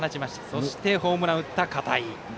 そして、ホームランを打った片井。